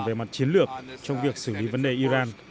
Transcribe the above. về mặt chiến lược trong việc xử lý vấn đề iran